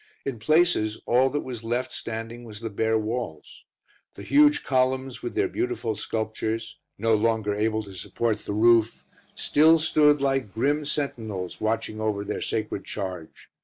In places all that was left standing was the bare walls. The huge columns, with their beautiful sculptures, no longer able to support the roof, still stood like grim sentinels watching over their sacred charge.